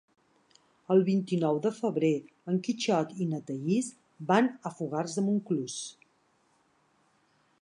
El vint-i-nou de febrer en Quixot i na Thaís van a Fogars de Montclús.